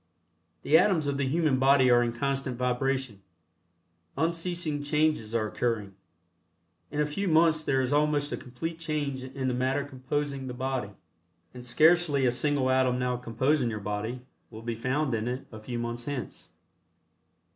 The atoms of the human body are in constant vibration. Unceasing changes are occurring. In a few months there is almost a complete change in the matter composing the body, and scarcely a single atom now composing your body will be found in It a few months hence.